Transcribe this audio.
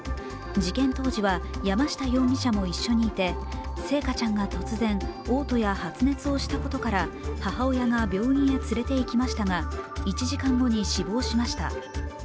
事件当時は山下容疑者も一緒にいて星華ちゃんが突然、おう吐や発熱をしたことから母親が病院に連れて行きましたが、１時間後に死亡しました。